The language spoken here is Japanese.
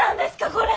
これ。